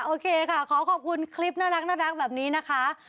โอเคค่ะขอขอบคุณคลิปน่ารักแบบนี้นะคะ